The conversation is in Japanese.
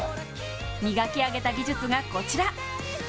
磨き上げた技術がこちら。